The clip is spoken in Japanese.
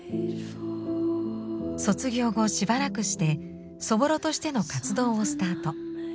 卒業後しばらくして「そぼろ」としての活動をスタート。